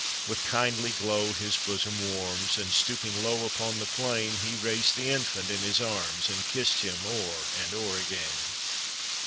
With kindly glow his bosom warms, And, stooping low upon the plain, He raised the infant in his arms And kissed him o'er and o'er again.